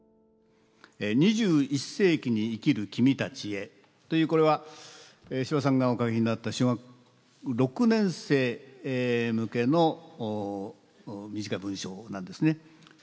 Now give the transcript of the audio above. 「二十一世紀に生きる君たちへ」というこれは司馬さんがお書きになった小学６年生向けの短い文章なんですね。